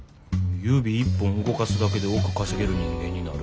指一本動かすだけで億稼げる人間になる。